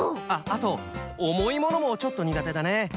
あとおもいものもちょっとにがてだね。